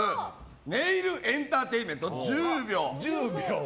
ネイルエンターテイメント１０秒。